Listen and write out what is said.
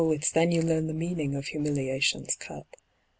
it's then you learn the meaning of humiliation's cup.